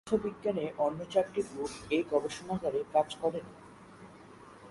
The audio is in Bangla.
পদার্থবিজ্ঞানের অন্য চারটি গ্রুপ এই গবেষণাগারে কাজ করে না।